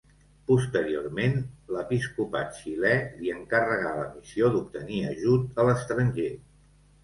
Posteriorment, l'episcopat xilè li encarregà la missió d'obtenir ajut a l'estranger.